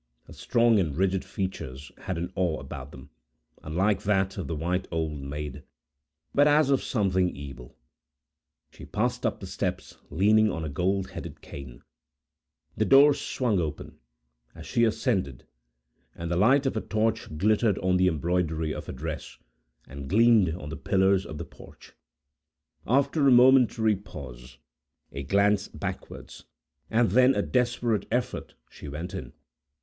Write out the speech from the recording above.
Her strong and rigid features had an awe about them, unlike that of the white Old Maid, but as of something evil. She passed up the steps, leaning on a gold headed cane; the door swung open, as she ascended,—and the light of a torch glittered on the embroidery of her dress, and gleamed on the pillars of the porch. After a momentary pause—a glance backwards—and then a desperate effort—she went in.